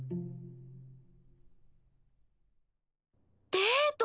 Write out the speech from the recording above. デート？